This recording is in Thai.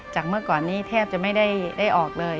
เมื่อก่อนนี้แทบจะไม่ได้ออกเลย